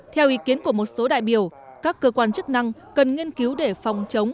theo ý kiến của một số đại biểu các cơ quan chức năng cần nghiên cứu để phòng chống